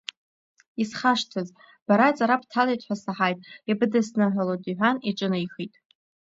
Исхашҭыз, бара аҵара бҭалеит ҳәа саҳаит, ибыдысныҳәалоит, — иҳәан иҿынеихеит.